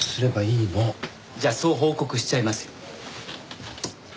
じゃあそう報告しちゃいますよ。